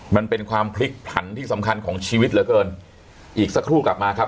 มันเป็นความพลิกผลันที่สำคัญของชีวิตเหลือเกินอีกสักครู่กลับมาครับ